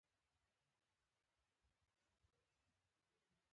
غرمه د طبیعت د تنفس وخت دی